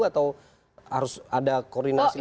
atau harus ada koordinasi lagi